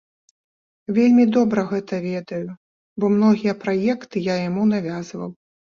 Вельмі добра гэта ведаю, бо многія праекты я яму навязваў.